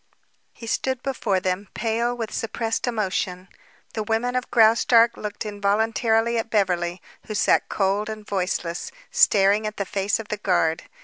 He stood before them, pale with suppressed emotion. The women of Graustark looked involuntarily at Beverly, who sat cold and voiceless, staring at the face of the guard.